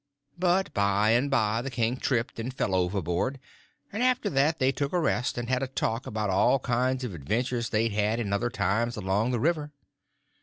But by and by the king tripped and fell overboard, and after that they took a rest, and had a talk about all kinds of adventures they'd had in other times along the river.